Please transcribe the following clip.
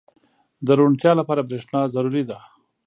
• د روڼتیا لپاره برېښنا ضروري ده.